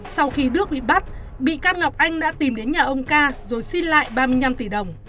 sau khi đước bị bắt bị can ngọc anh đã tìm đến nhà ông ca rồi xin lại ba mươi năm tỷ đồng